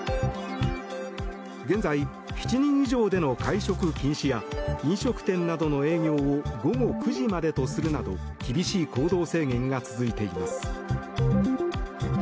現在、７人以上での会食禁止や飲食店などの営業を午後９時までとするなど厳しい行動制限が続いています。